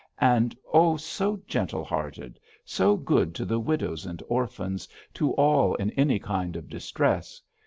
And oh, so gentle hearted! So good to the widows and orphans; to all in any kind of distress!